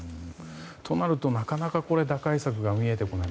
となると、なかなか打開策が見えてこない。